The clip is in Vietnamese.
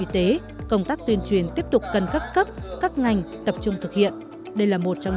y tế công tác tuyên truyền tiếp tục cần các cấp các ngành tập trung thực hiện đây là một trong